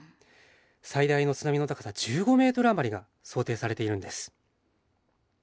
最大の津波の高さ１５ｍ余りが想定されているんです。